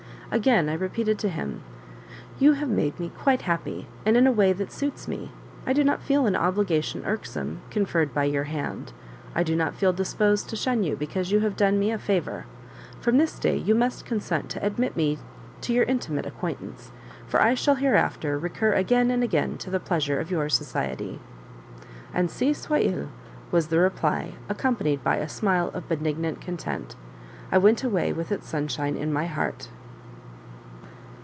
Again I repeated to him "You have made me quite happy, and in a way that suits me; I do not feel an obligation irksome, conferred by your kind hand; I do not feel disposed to shun you because you have done me a favour; from this day you must consent to admit me to your intimate acquaintance, for I shall hereafter recur again and again to the pleasure of your society." "Ainsi soit il," was the reply, accompanied by a smile of benignant content. I went away with its sunshine in my heart.